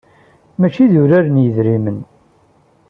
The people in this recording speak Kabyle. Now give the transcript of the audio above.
Mačči d urar n yidrimen.